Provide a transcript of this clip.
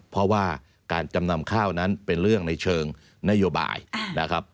เพราะว่าการจำนำข้าวนั้นเป็นเรื่องในเชิงนโยบายนะครับ